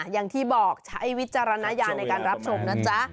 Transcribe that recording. อย่างที่บอกใช้วิจารณญาณในการรับชมนะจ๊ะ